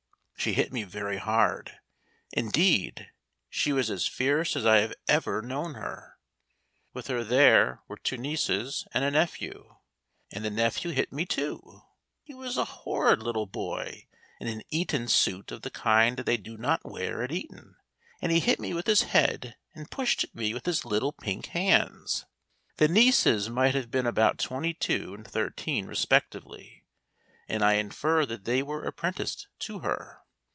She hit me very hard; indeed, she was as fierce as I have ever known her. With her there were two nieces and a nephew, and the nephew hit me too. He was a horrid little boy in an Eton suit of the kind that they do not wear at Eton, and he hit me with his head and pushed at me with his little pink hands. The nieces might have been about twenty two and thirteen respectively, and I infer that they were apprenticed to her.